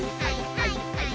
はいはい。